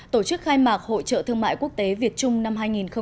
tổ chức khai mạc hội trợ thương mại quốc tế việt trung năm hai nghìn một mươi bảy